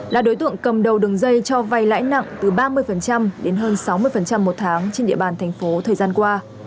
là đối tượng cầm đầu đường dây cho vay lãi nặng từ ba mươi đến hơn sáu mươi một tháng trên địa bàn thành phố thời gian qua